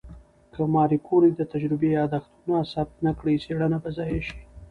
که ماري کوري د تجربې یادښتونه ثبت نه کړي، څېړنه به ضایع شي.